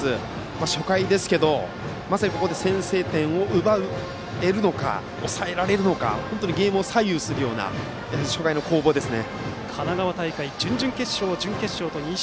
初回ですけど、まさにここで先制点を奪えるのか抑えられるのかゲームを左右するような初回の攻防ですね。